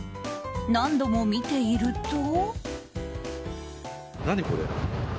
何度も見ていると。